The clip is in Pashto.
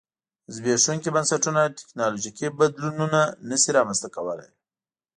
زبېښونکي بنسټونه ټکنالوژیکي بدلونونه نه شي رامنځته کولای.